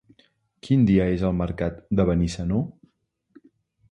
Quin dia és el mercat de Benissanó?